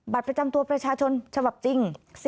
ประจำตัวประชาชนฉบับจริง